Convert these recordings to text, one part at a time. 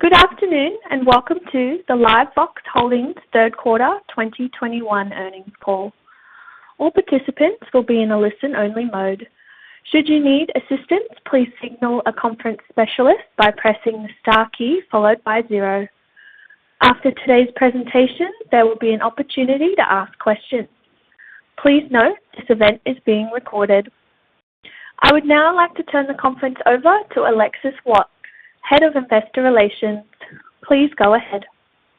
Good afternoon, and welcome to the LiveVox Holdings third quarter 2021 earnings call. All participants will be in a listen-only mode. Should you need assistance, please signal a conference specialist by pressing the Star key followed by zero. After today's presentation, there will be an opportunity to ask questions. Please note this event is being recorded. I would now like to turn the conference over to Alexis Waadt, Head of Investor Relations. Please go ahead.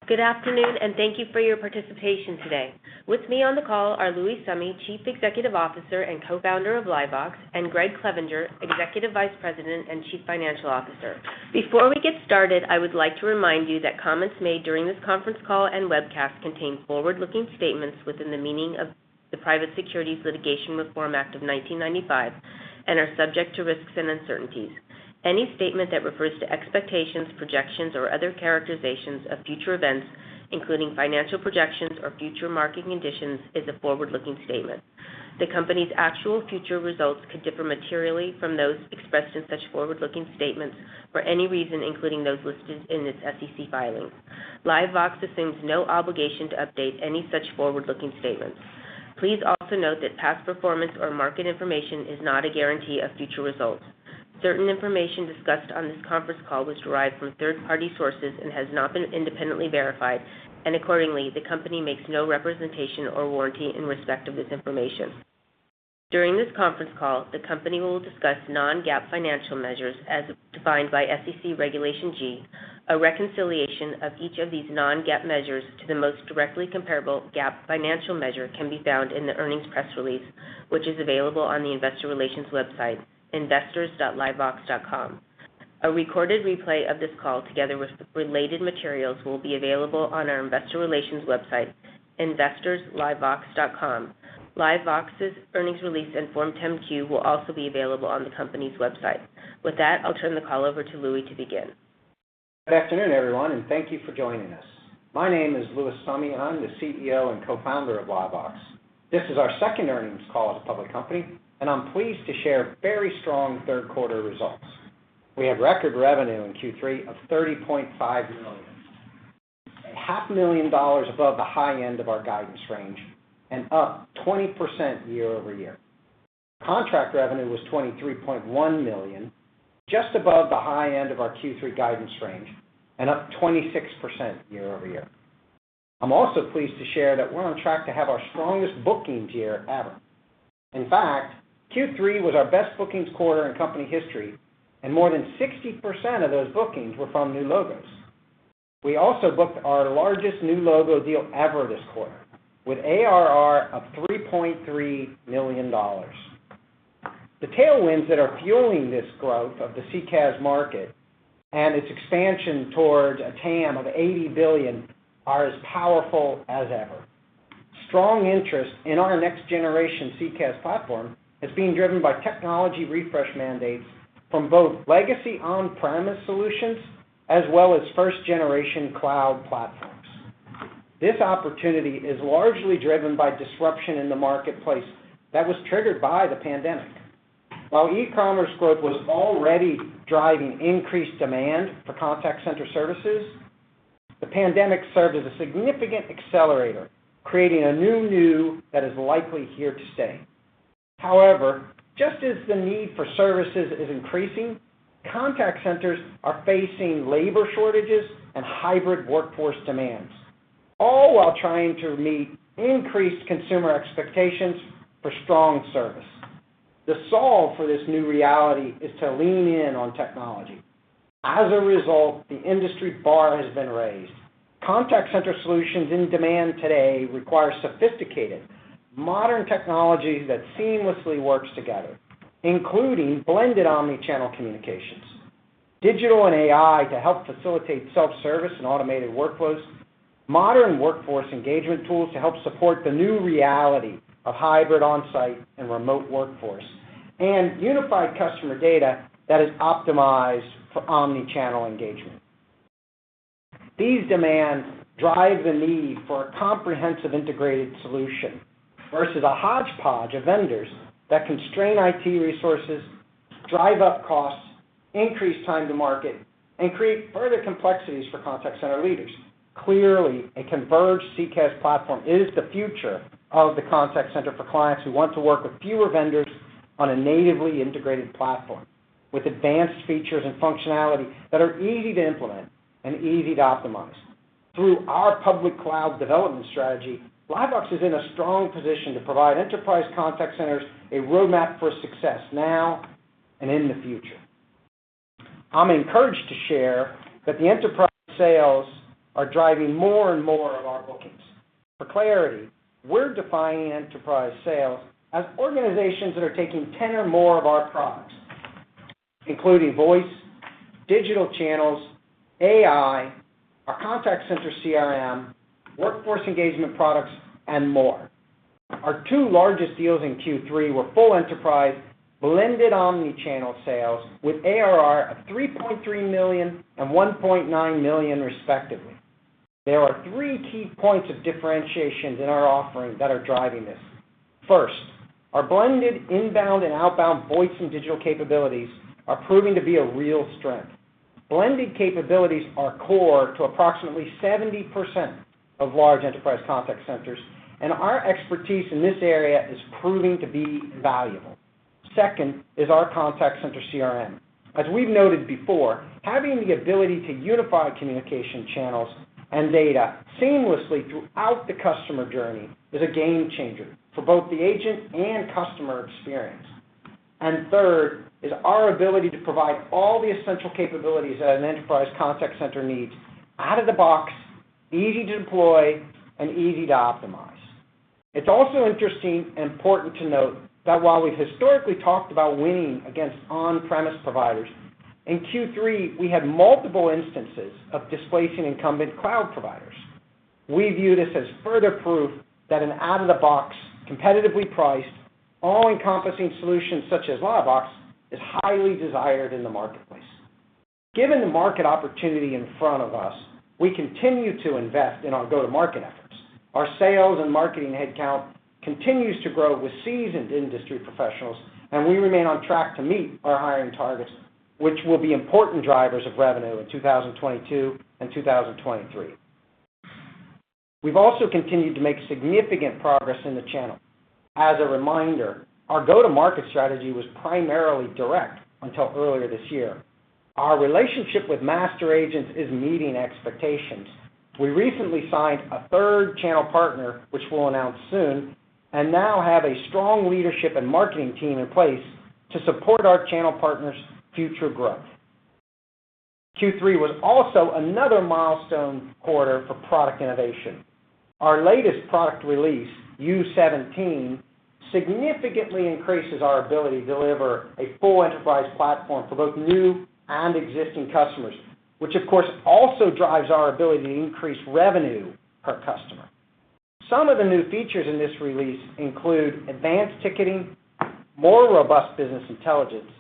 Good afternoon, and thank you for your participation today. With me on the call are Louis Summe, Chief Executive Officer and Co-Founder of LiveVox, and Gregg Clevenger, Executive Vice President and Chief Financial Officer. Before we get started, I would like to remind you that comments made during this conference call and webcast contain forward-looking statements within the meaning of the Private Securities Litigation Reform Act of 1995 and are subject to risks and uncertainties. Any statement that refers to expectations, projections, or other characterizations of future events, including financial projections or future market conditions, is a forward-looking statement. The Company's actual future results could differ materially from those expressed in such forward-looking statements for any reason, including those listed in its SEC filings. LiveVox assumes no obligation to update any such forward-looking statements. Please also note that past performance or market information is not a guarantee of future results. Certain information discussed on this conference call was derived from third-party sources and has not been independently verified, and accordingly, the Company makes no representation or warranty in respect of this information. During this conference call, the Company will discuss non-GAAP financial measures as defined by SEC Regulation G. A reconciliation of each of these non-GAAP measures to the most directly comparable GAAP financial measure can be found in the earnings press release, which is available on the investor relations website, investors.livevox.com. A recorded replay of this call together with related materials will be available on our investor relations website, investors.livevox.com. LiveVox's earnings release and Form 10-Q will also be available on the company's website. With that, I'll turn the call over to Louis to begin. Good afternoon, everyone, and thank you for joining us. My name is Louis Summe, and I'm the CEO and Co-founder of LiveVox. This is our second earnings call as a public company, and I'm pleased to share very strong third quarter results. We have record revenue in Q3 of $30.5 million, $0.5 million above the high-end of our guidance range and up 20% year-over-year. Contract revenue was $23.1 million, just above the high end of our Q3 guidance range and up 26% year-over-year. I'm also pleased to share that we're on track to have our strongest bookings year ever. In fact, Q3 was our best bookings quarter in company history, and more than 60% of those bookings were from new logos. We also booked our largest new logo deal ever this quarter with ARR of $3.3 million. The tailwinds that are fueling this growth of the CCaaS market and its expansion towards a TAM of $80 billion are as powerful as ever. Strong interest in our next generation CCaaS platform is being driven by technology refresh mandates from both legacy on-premise solutions as well as first-generation cloud platforms. This opportunity is largely driven by disruption in the marketplace that was triggered by the pandemic. While e-commerce growth was already driving increased demand for contact center services, the pandemic served as a significant accelerator, creating a new normal that is likely here to stay. However, just as the need for services is increasing, contact centers are facing labor shortages and hybrid workforce demands, all while trying to meet increased consumer expectations for strong service. The solve for this new reality is to lean in on technology. As a result, the industry bar has been raised. Contact center solutions in demand today require sophisticated, modern technology that seamlessly works together, including blended omni-channel communications, digital and AI to help facilitate self-service and automated workflows, modern workforce engagement tools to help support the new reality of hybrid on-site and remote workforce, and unified customer data that is optimized for omni-channel engagement. These demands drive the need for a comprehensive integrated solution versus a hodgepodge of vendors that constrain IT resources, drive up costs, increase time to market, and create further complexities for contact center leaders. Clearly, a converged CCaaS platform is the future of the contact center for clients who want to work with fewer vendors on a natively integrated platform with advanced features and functionality that are easy to implement and easy to optimize. Through our public cloud development strategy, LiveVox is in a strong position to provide enterprise contact centers a roadmap for success now and in the future. I'm encouraged to share that the enterprise sales are driving more and more of our bookings. For clarity, we're defining enterprise sales as organizations that are taking 10 or more of our products, including voice, digital channels, AI, our contact center CRM, workforce engagement products, and more. Our two largest deals in Q3 were full enterprise blended omni-channel sales with ARR of $3.3 million and $1.9 million respectively. There are three key points of differentiation in our offering that are driving this. First, our blended inbound and outbound voice and digital capabilities are proving to be a real strength. Blended capabilities are core to approximately 70% of large enterprise contact centers, and our expertise in this area is proving to be valuable. Second is our contact center CRM. As we've noted before, having the ability to unify communication channels and data seamlessly throughout the customer journey is a game-changer for both the agent and customer experience. Third is our ability to provide all the essential capabilities that an enterprise contact center needs out of the box, easy to deploy, and easy to optimize. It's also interesting and important to note that while we've historically talked about winning against on-premise providers, in Q3, we had multiple instances of displacing incumbent cloud providers. We view this as further proof that an out-of-the-box, competitively priced, all-encompassing solution such as LiveVox is highly desired in the marketplace. Given the market opportunity in front of us, we continue to invest in our go-to-market efforts. Our sales and marketing headcount continues to grow with seasoned industry professionals, and we remain on track to meet our hiring targets, which will be important drivers of revenue in 2022 and 2023. We've also continued to make significant progress in the channel. As a reminder, our go-to-market strategy was primarily direct until earlier this year. Our relationship with master agents is meeting expectations. We recently signed a third channel partner, which we'll announce soon, and now have a strong leadership and marketing team in place to support our channel partners' future growth. Q3 was also another milestone quarter for product innovation. Our latest product release, U17, significantly increases our ability to deliver a full enterprise platform for both new and existing customers, which of course also drives our ability to increase revenue per customer. Some of the new features in this release include advanced ticketing, more robust business intelligence,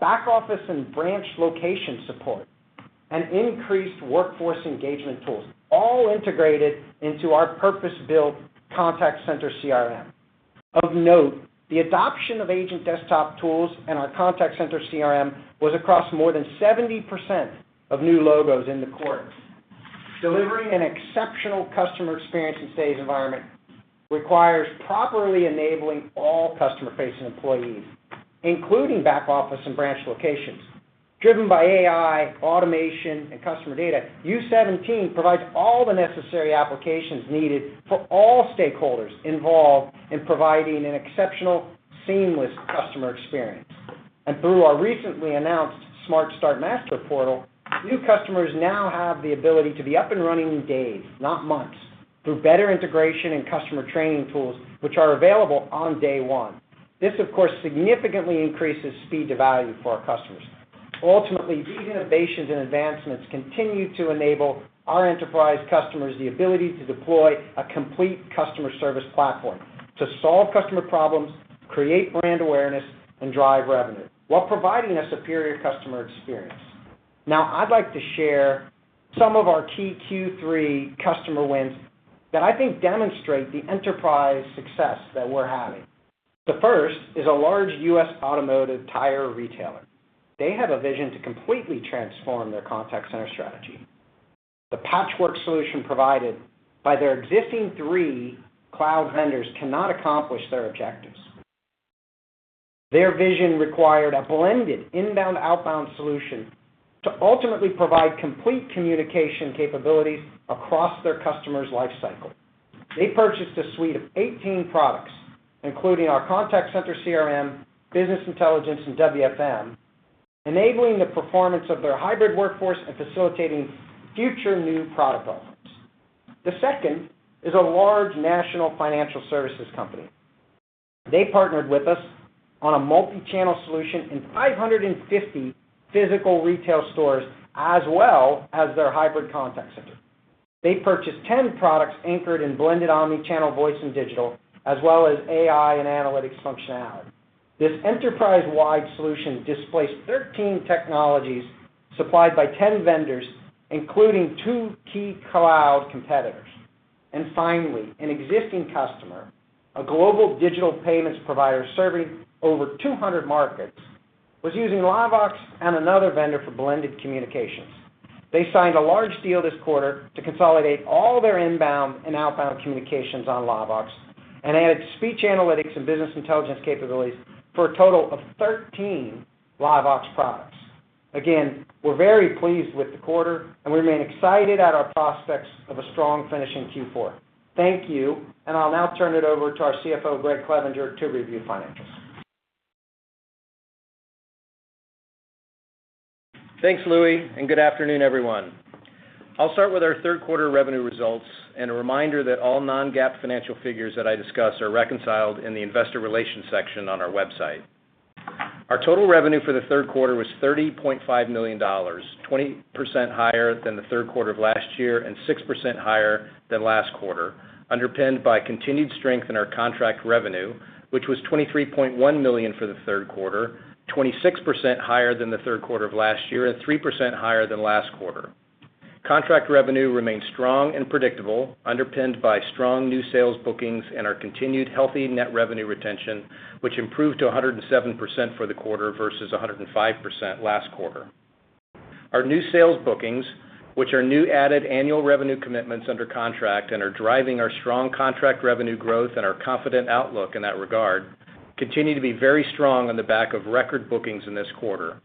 back-office and branch location support, and increased workforce engagement tools, all integrated into our purpose-built contact center CRM. Of note, the adoption of agent desktop tools and our contact center CRM was across more than 70% of new logos in the quarter. Delivering an exceptional customer experience in today's environment requires properly enabling all customer-facing employees, including back-office and branch locations. Driven by AI, automation, and customer data, U17 provides all the necessary applications needed for all stakeholders involved in providing an exceptional, seamless customer experience. Through our recently announced SmartStart Master Portal, new customers now have the ability to be up and running in days, not months, through better integration and customer training tools, which are available on day one. This, of course, significantly increases speed to value for our customers. Ultimately, these innovations and advancements continue to enable our enterprise customers the ability to deploy a complete customer service platform to solve customer problems, create brand awareness, and drive revenue while providing a superior customer experience. Now, I'd like to share some of our key Q3 customer wins that I think demonstrate the enterprise success that we're having. The first is a large U.S. automotive tire retailer. They have a vision to completely transform their contact center strategy. The patchwork solution provided by their existing three cloud vendors cannot accomplish their objectives. Their vision required a blended inbound-outbound solution to ultimately provide complete communication capabilities across their customers' life cycle. They purchased a suite of 18 products, including our contact center CRM, business intelligence, and WFM, enabling the performance of their hybrid workforce and facilitating future new product offerings. The second is a large national financial services company. They partnered with us on a multi-channel solution in 550 physical retail stores as well as their hybrid contact center. They purchased 10 products anchored in blended omni-channel voice and digital, as well as AI and analytics functionality. This enterprise-wide solution displaced 13 technologies supplied by 10 vendors, including two key cloud competitors. Finally, an existing customer, a global digital payments provider serving over 200 markets, was using LiveVox and another vendor for blended communications. They signed a large deal this quarter to consolidate all their inbound and outbound communications on LiveVox and added speech analytics and business intelligence capabilities for a total of 13 LiveVox products. Again, we're very pleased with the quarter, and we remain excited at our prospects of a strong finish in Q4. Thank you, and I'll now turn it over to our CFO, Gregg Clevenger, to review financials. Thanks, Louis, and good afternoon, everyone. I'll start with our third quarter revenue results and a reminder that all non-GAAP financial figures that I discuss are reconciled in the investor relations section on our website. Our total revenue for the third quarter was $30.5 million, 20% higher than the third quarter of last year and 6% higher than last quarter. Underpinned by continued strength in our contract revenue, which was $23.1 million for the third quarter, 26% higher than the third quarter of last year, and 3% higher than last quarter. Contract revenue remains strong and predictable, underpinned by strong new sales bookings and our continued healthy net revenue retention, which improved to 107% for the quarter versus 105% last quarter. Our new sales bookings, which are new added annual revenue commitments under contract and are driving our strong contract revenue growth and our confident outlook in that regard, continue to be very strong on the back of record bookings in this quarter.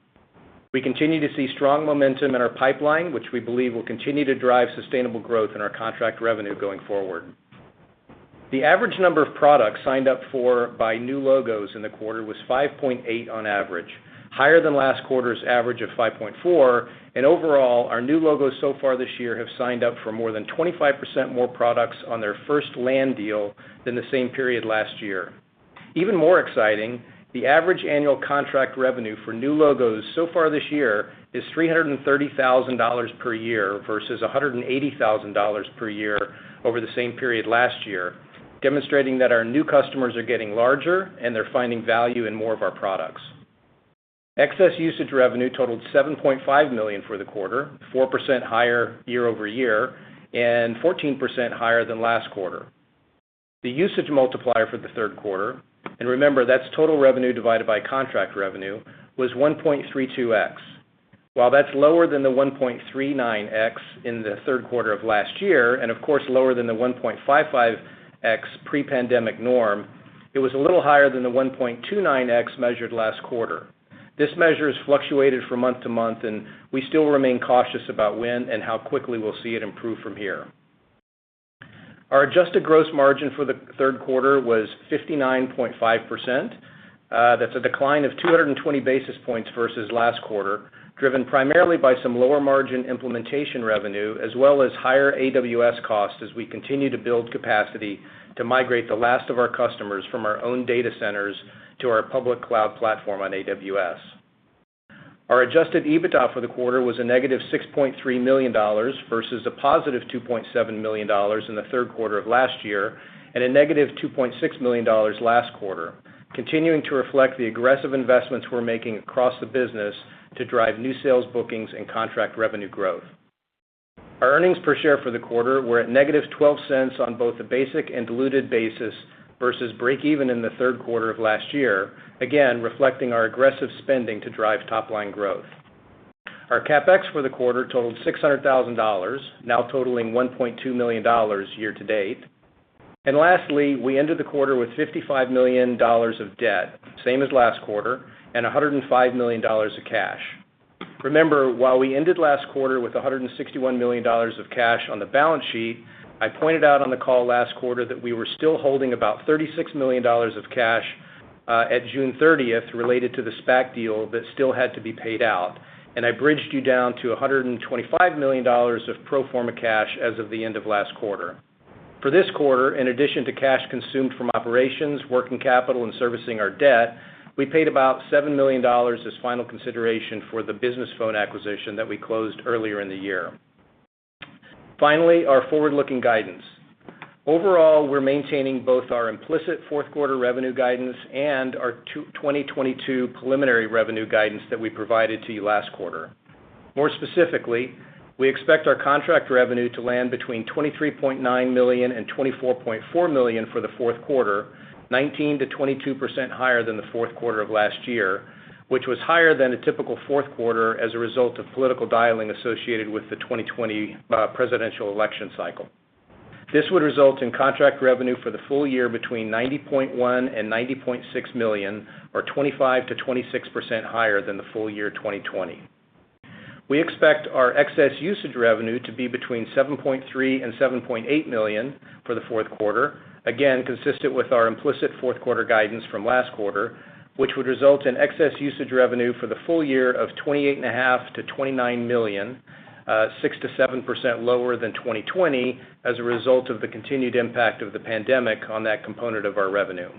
We continue to see strong momentum in our pipeline, which we believe will continue to drive sustainable growth in our contract revenue going forward. The average number of products signed up for by new logos in the quarter was 5.8 on average, higher than last quarter's average of 5.4. Overall, our new logos so far this year have signed up for more than 25% more products on their first land deal than the same period last year. Even more exciting, the average annual contract revenue for new logos so far this year is $330,000 per year versus $180,000 per year over the same period last year, demonstrating that our new customers are getting larger, and they're finding value in more of our products. Excess usage revenue totaled $7.5 million for the quarter, 4% higher year-over-year and 14% higher than last quarter. The usage multiplier for the third quarter, and remember, that's total revenue divided by contract revenue, was 1.32x. While that's lower than the 1.39x in the third quarter of last year, and of course, lower than the 1.55x pre-pandemic norm, it was a little higher than the 1.29x measured last quarter. This measure has fluctuated from month-to-month, and we still remain cautious about when and how quickly we'll see it improve from here. Our adjusted gross margin for the third quarter was 59.5%. That's a decline of 220 basis points versus last quarter, driven primarily by some lower margin implementation revenue as well as higher AWS costs as we continue to build capacity to migrate the last of our customers from our own data centers to our public cloud platform on AWS. Our adjusted EBITDA for the quarter was a -$6.3 million versus a $2.7 million in the third quarter of last year and a -$2.6 million last quarter, continuing to reflect the aggressive investments we're making across the business to drive new sales bookings and contract revenue growth. Our earnings per share for the quarter were at -$0.12 on both the basic and diluted basis versus breakeven in the third quarter of last year, again, reflecting our aggressive spending to drive top-line growth. Our CapEx for the quarter totaled $600,000, now totaling $1.2 million year-to-date. Lastly, we ended the quarter with $55 million of debt, same as last quarter, and $105 million of cash. Remember, while we ended last quarter with $161 million of cash on the balance sheet, I pointed out on the call last quarter that we were still holding about $36 million of cash, at June 30th related to the SPAC deal that still had to be paid out. I bridged you down to $125 million of pro forma cash as of the end of last quarter. For this quarter, in addition to cash consumed from operations, working capital, and servicing our debt, we paid about $7 million as final consideration for the BusinessPhone acquisition that we closed earlier in the year. Finally, our forward-looking guidance. Overall, we're maintaining both our implicit fourth quarter revenue guidance and our 2022 preliminary revenue guidance that we provided to you last quarter. More specifically, we expect our contract revenue to land between $23.9 million and $24.4 million for the fourth quarter, 19%-22% higher than the fourth quarter of last year, which was higher than a typical fourth quarter as a result of political dialing associated with the 2020 presidential election cycle. This would result in contract revenue for the full-year between $90.1 million-$90.6 million or 25%-26% higher than the full-year 2020. We expect our excess usage revenue to be between $7.3 million-$7.8 million for the fourth quarter, again, consistent with our implicit fourth quarter guidance from last quarter, which would result in excess usage revenue for the full-year of $28.5 million-$29 million, 6%-7% lower than 2020 as a result of the continued impact of the pandemic on that component of our revenue.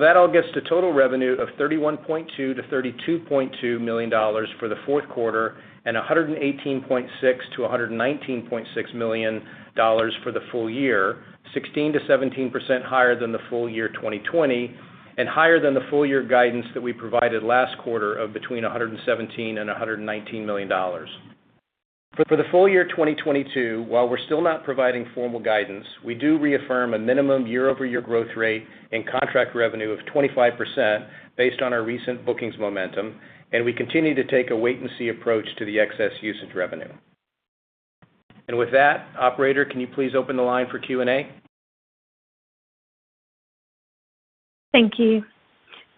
That all gets to total revenue of $31.2 million-$32.2 million for the fourth quarter and $118.6 million-$119.6 million for the full-year, 16%-17% higher than the full-year 2020 and higher than the full-year guidance that we provided last quarter of between $117 million and $119 million. For the full-year 2022, while we're still not providing formal guidance, we do reaffirm a minimum year-over-year growth rate in contract revenue of 25% based on our recent bookings momentum, and we continue to take a wait and see approach to the excess usage revenue. With that, operator, can you please open the line for Q&A? Thank you.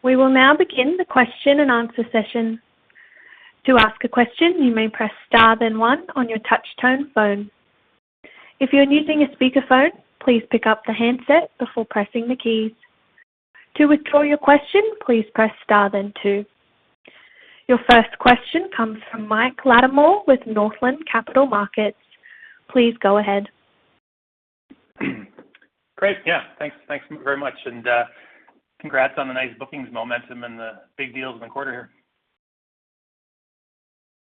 We will now begin the question and answer session. To ask a question, you may press Star then one on your touch-tone phone. If you're using a speakerphone, please pick up the handset before pressing the keys. To withdraw your question, please press Star then two. Your first question comes from Mike Latimore with Northland Capital Markets. Please go ahead. Great. Yeah. Thanks, very much. Congrats on the nice bookings momentum and the big deals in the quarter here.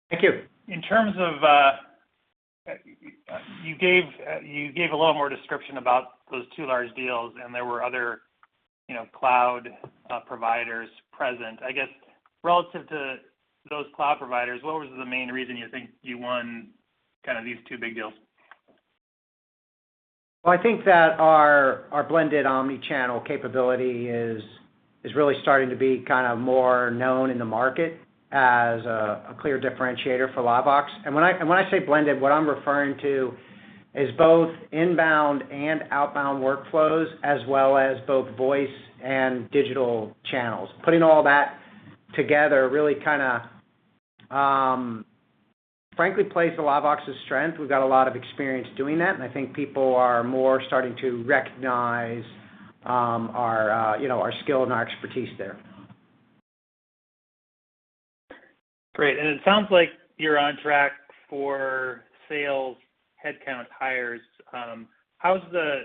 Thank you. In terms of, you gave a little more description about those two large deals, and there were other, you know, cloud providers present. I guess, relative to those cloud providers, what was the main reason you think you won kind of these two big deals? Well, I think that our blended omni-channel capability is really starting to be kind of more known in the market as a clear differentiator for LiveVox. When I say blended, what I'm referring to is both inbound and outbound workflows, as well as both voice and digital channels. Putting all that together really kinda frankly plays to LiveVox's strength. We've got a lot of experience doing that, and I think people are more starting to recognize you know our skill and our expertise there. Great. It sounds like you're on track for sales headcount hires. How's the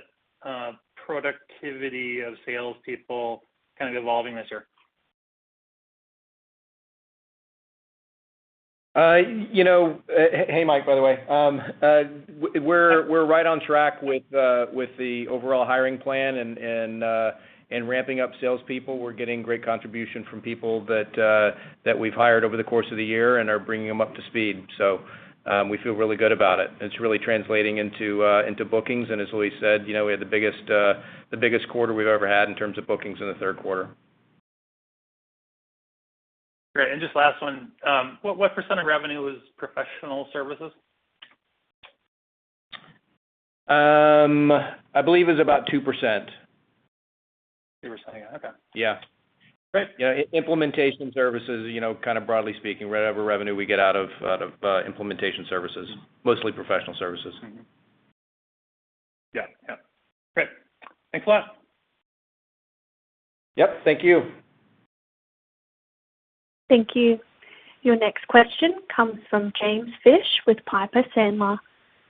productivity of salespeople kind of evolving this year? You know, hey, Mike, by the way. We're right on track with the overall hiring plan and ramping up salespeople. We're getting great contribution from people that we've hired over the course of the year and are bringing them up to speed. We feel really good about it. It's really translating into bookings. As Louis said, you know, we had the biggest quarter we've ever had in terms of bookings in the third quarter. Great. Just last one. What % of revenue is professional services? I believe it's about 2%. 2%. Okay. Yeah. Great. Yeah. Implementation services, you know, kind of broadly speaking, whatever revenue we get out of implementation services, mostly professional services. Yeah. Great. Thanks a lot. Yep. Thank you. Thank you. Your next question comes from James Fish with Piper Sandler.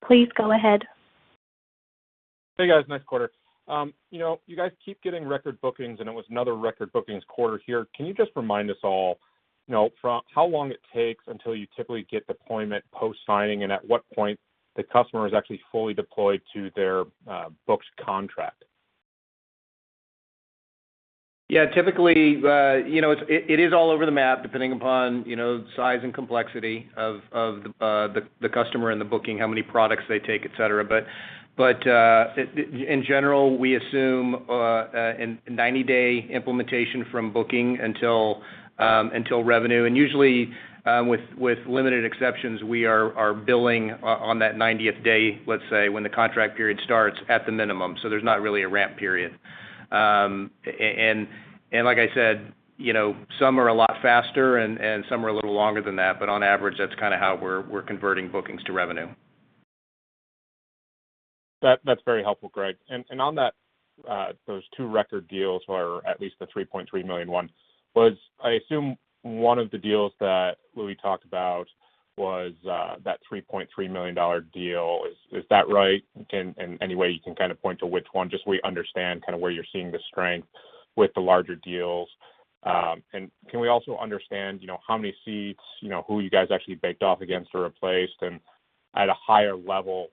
Please go ahead. Hey, guys. Nice quarter. You know, you guys keep getting record bookings, and it was another record bookings quarter here. Can you just remind us all, you know, from how long it takes until you typically get deployment post-signing, and at what point the customer is actually fully deployed to their booked contract? Yeah. Typically, you know, it is all over the map, depending upon, you know, size and complexity of the customer and the booking, how many products they take, et cetera. In general, we assume a 90 day implementation from booking until revenue. Usually, with limited exceptions, we are billing on that 90th day, let's say, when the contract period starts at the minimum. There's not really a ramp period. Like I said, you know, some are a lot faster and some are a little longer than that, but on average, that's kinda how we're converting bookings to revenue. That's very helpful, Gregg. On that, those two record deals were at least the $3.3 million one. I assume one of the deals that Louis talked about was that $3.3 million dollar deal. Is that right? Can you in any way kind of point to which one, just so we understand kind of where you're seeing the strength with the larger deals. Can we also understand, you know, how many seats, you know, who you guys actually bake-off against or replaced? At a higher level,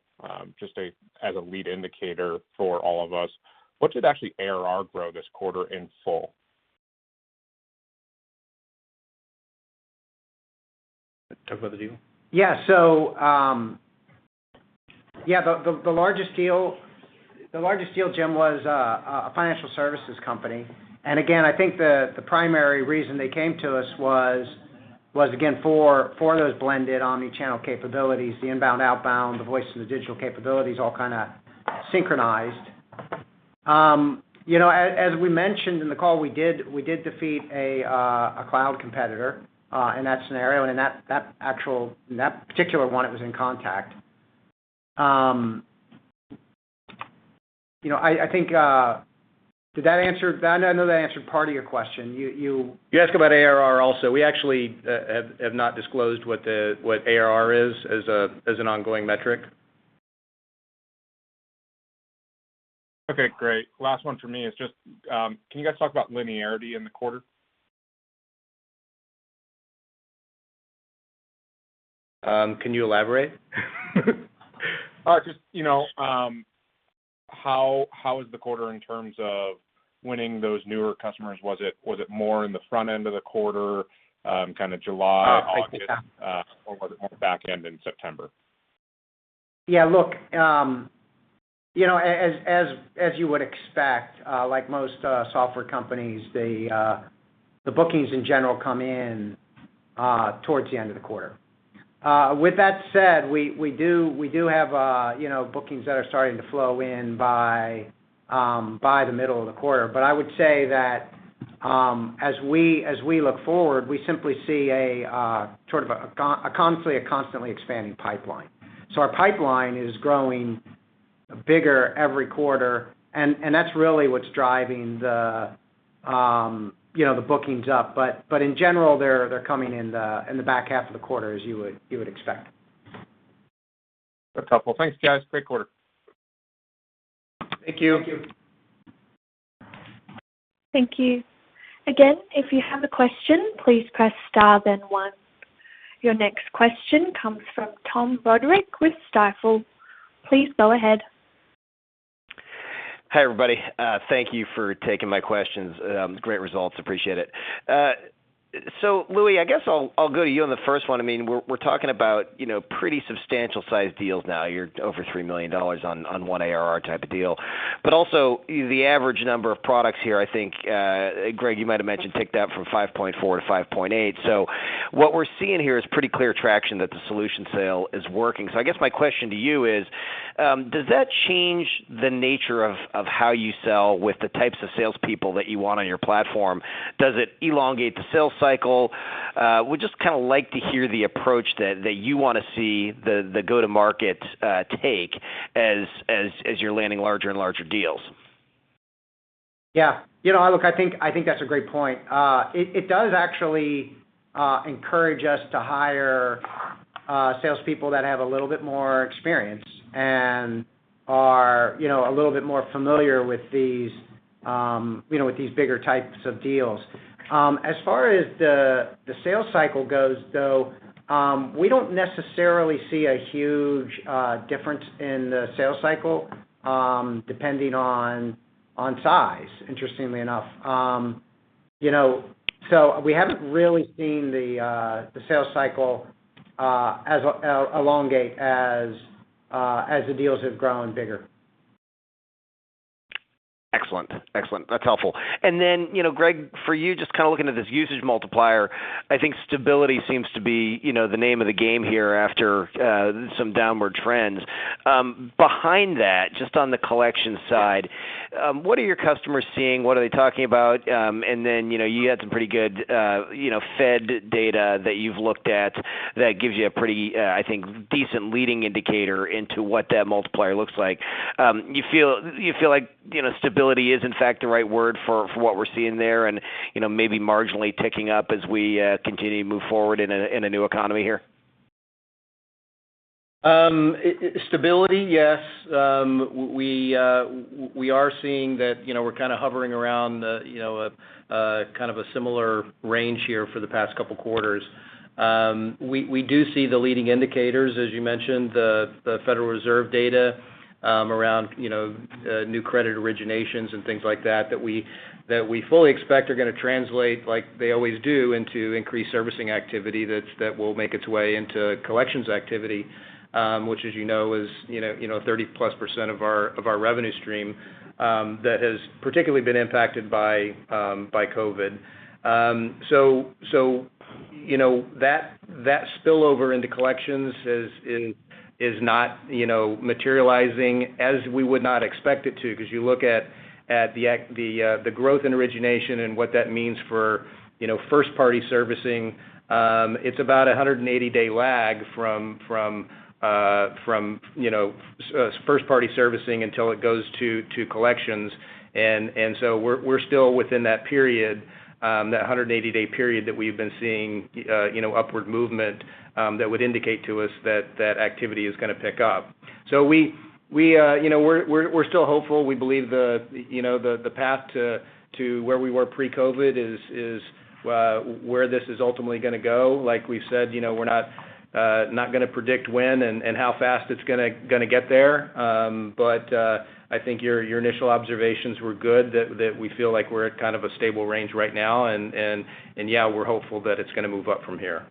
just as a lead indicator for all of us, what did ARR actually grow this quarter in full? Talk about the deal? The largest deal, Jim, was a financial services company. Again, I think the primary reason they came to us was again for those blended omni-channel capabilities, the inbound, outbound, the voice and the digital capabilities all kinda synchronized. You know, as we mentioned in the call, we did defeat a cloud competitor in that scenario. In that particular one, it was inContact. You know, I think. Did that answer? I know that answered part of your question. You You asked about ARR also. We actually have not disclosed what ARR is as an ongoing metric. Okay, great. Last one for me is just, can you guys talk about linearity in the quarter? Can you elaborate? Just, you know, how is the quarter in terms of winning those newer customers? Was it more in the front end of the quarter, kinda July, August- Oh, I see. was it more back end in September? Yeah, look, you know, as you would expect, like most software companies, the bookings in general come in towards the end of the quarter. With that said, we do have, you know, bookings that are starting to flow in by the middle of the quarter. I would say that, as we look forward, we simply see a constantly expanding pipeline. Our pipeline is growing bigger every quarter, and that's really what's driving the bookings up. In general, they're coming in the back half of the quarter as you would expect. That's helpful. Thanks, guys. Great quarter. Thank you. Thank you. Again, if you have a question, please press Star then one. Your next question comes from Tom Roderick with Stifel. Please go ahead. Hi, everybody. Thank you for taking my questions. Great results. Appreciate it. Louis, I guess I'll go to you on the first one. I mean, we're talking about, you know, pretty substantial sized deals now. You're over $3 million on one ARR type of deal. But also the average number of products here, I think, Gregg, you might have mentioned, ticked up from 5.4-5.8. What we're seeing here is pretty clear traction that the solution sale is working. I guess my question to you is, does that change the nature of how you sell with the types of salespeople that you want on your platform? Does it elongate the sales cycle? Would just kind of like to hear the approach that you wanna see the go-to-market take as you're landing larger and larger deals? Yeah. You know, look, I think that's a great point. It does actually encourage us to hire salespeople that have a little bit more experience and are, you know, a little bit more familiar with these bigger types of deals. As far as the sales cycle goes, though, we don't necessarily see a huge difference in the sales cycle depending on size, interestingly enough. We haven't really seen the sales cycle as elongated as the deals have grown bigger. Excellent. That's helpful. You know, Gregg, for you, just kind of looking at this usage multiplier, I think stability seems to be, you know, the name of the game here after some downward trends. Behind that, just on the collection side, what are your customers seeing? What are they talking about? You know, you had some pretty good, you know, Fed data that you've looked at that gives you a pretty, I think decent leading indicator into what that multiplier looks like. Do you feel like, you know, stability is in fact the right word for what we're seeing there and, you know, maybe marginally ticking up as we continue to move forward in a new economy here? Instability, yes. We are seeing that, you know, we're kind of hovering around, you know, kind of a similar range here for the past couple quarters. We do see the leading indicators, as you mentioned, the Federal Reserve data, around, you know, new credit originations and things like that we fully expect are gonna translate like they always do, into increased servicing activity that will make its way into collections activity, which, as you know, is, you know, 30%+ of our revenue stream, that has particularly been impacted by COVID. You know, that spillover into collections is not materializing as we would not expect it to because you look at the growth in origination and what that means for first party servicing. It's about a 180 day lag from first party servicing until it goes to collections. We're still within that period, that 180 day period that we've been seeing upward movement that would indicate to us that activity is gonna pick up. We, you know, we're still hopeful. We believe the, you know, the path to where we were pre-COVID is where this is ultimately gonna go. Like we said, you know, we're not gonna predict when and how fast it's gonna get there. I think your initial observations were good, that we feel like we're at kind of a stable range right now. Yeah, we're hopeful that it's gonna move up from here.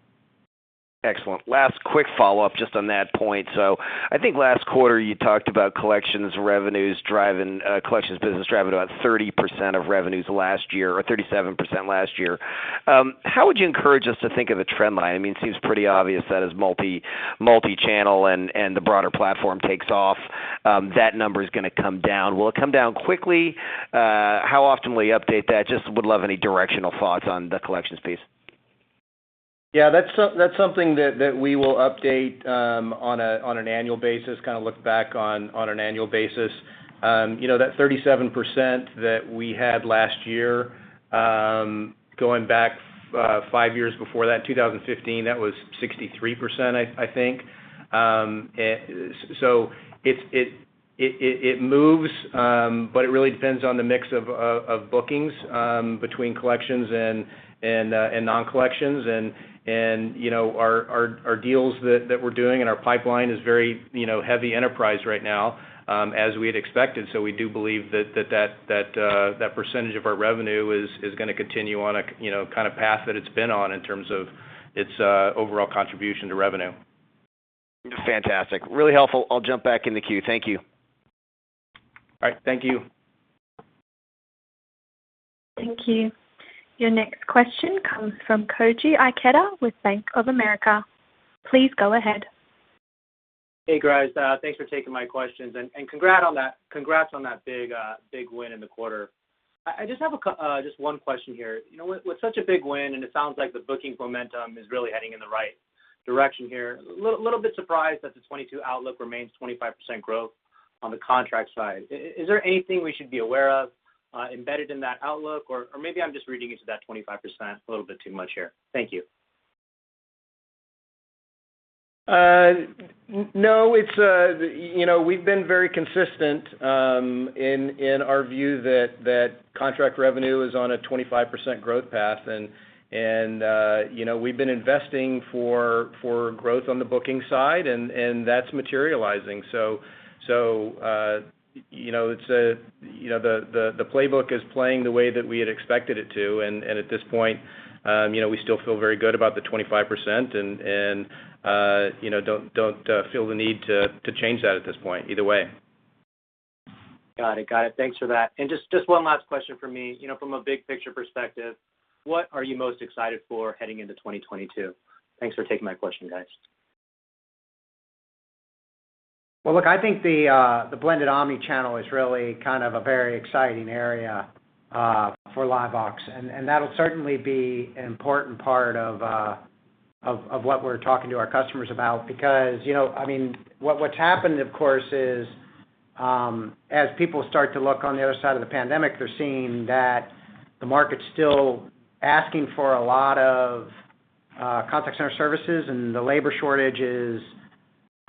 Excellent. Last quick follow-up just on that point. I think last quarter you talked about collections revenues driving, collections business driving about 30% of revenues last year or 37% last year. How would you encourage us to think of a trend line? I mean, it seems pretty obvious that as multi-channel and the broader platform takes off, that number is gonna come down. Will it come down quickly? How often will you update that? I just would love any directional thoughts on the collections piece. Yeah, that's something that we will update on an annual basis, kind of look back on an annual basis. You know, that 37% that we had last year, going back five years before that, 2015, that was 63%, I think. It moves, but it really depends on the mix of bookings between collections and non-collections and, you know, our deals that we're doing and our pipeline is very heavy enterprise right now, as we had expected. We do believe that percentage of our revenue is gonna continue on a kind of path that it's been on in terms of its overall contribution to revenue. Fantastic. Really helpful. I'll jump back in the queue. Thank you. All right. Thank you. Thank you. Your next question comes from Koji Ikeda with Bank of America. Please go ahead. Hey, guys. Thanks for taking my questions. Congrats on that big win in the quarter. I just have one question here. You know, with such a big win, it sounds like the booking momentum is really heading in the right direction here. I'm a little bit surprised that the 2022 outlook remains 25% growth on the contract side. Is there anything we should be aware of embedded in that outlook? Or maybe I'm just reading into that 25% a little bit too much here. Thank you. No, it's. You know, we've been very consistent in our view that contract revenue is on a 25% growth path and you know, we've been investing for growth on the booking side and that's materializing. You know, the playbook is playing the way that we had expected it to. At this point you know, we still feel very good about the 25% and you know, don't feel the need to change that at this point either way. Got it. Thanks for that. Just one last question from me. You know, from a big picture perspective, what are you most excited for heading into 2022? Thanks for taking my question, guys. Well, look, I think the blended omni channel is really kind of a very exciting area for LiveVox. That'll certainly be an important part of what we're talking to our customers about because, you know, I mean, what's happened, of course, is as people start to look on the other side of the pandemic, they're seeing that the market's still asking for a lot of contact center services, and the labor shortage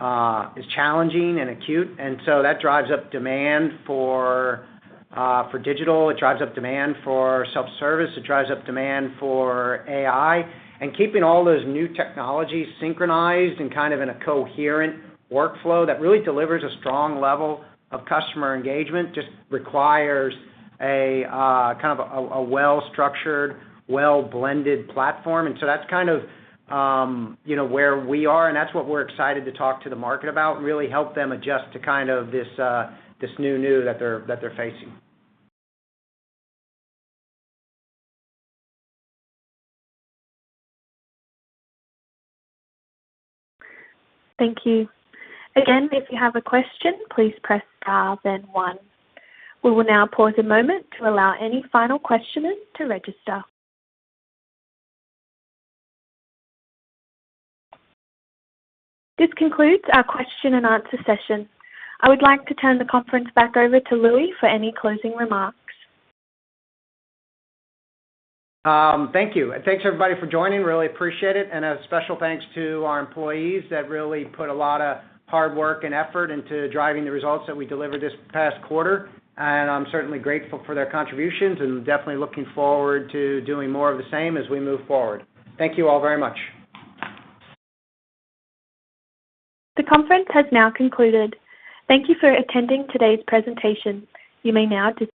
is challenging and acute. That drives up demand for digital. It drives up demand for self-service. It drives up demand for AI. Keeping all those new technologies synchronized and kind of in a coherent workflow that really delivers a strong level of customer engagement just requires a kind of a well-structured, well blended platform. That's kind of, you know, where we are, and that's what we're excited to talk to the market about, really help them adjust to kind of this new that they're facing. Thank you. Again, if you have a question, please press Star then one. We will now pause a moment to allow any final questioners to register. This concludes our question and answer session. I would like to turn the conference back over to Louis for any closing remarks. Thank you, and thanks everybody for joining. Really appreciate it. A special thanks to our employees that really put a lot of hard work and effort into driving the results that we delivered this past quarter. I'm certainly grateful for their contributions and definitely looking forward to doing more of the same as we move forward. Thank you all very much. The conference has now concluded. Thank you for attending today's presentation. You may now dis-